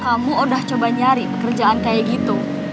kamu udah coba nyari pekerjaan kayak gitu